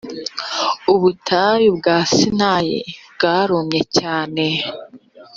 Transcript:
ubutayu bwa sinayi bwarumye cyane.